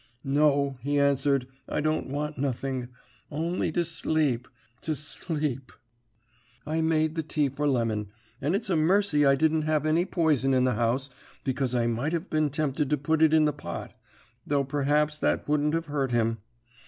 "'No,' he answered. 'I don't want nothing only to sleep, to sleep!' "I made the tea for Devlin, and it's a mercy I didn't have any poison in the house, because I might have been tempted to put it in the pot though perhaps that wouldn't have hurt him.